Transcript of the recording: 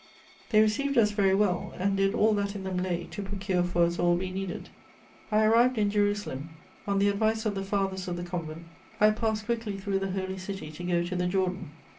They received us very well, and did all that in them lay to procure for us all we needed." I arrived in Jerusalem. On the advice of the Fathers of the convent, I passed quickly through the Holy City to go to the Jordan.